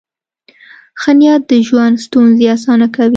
ښه نیت د ژوند ستونزې اسانه کوي.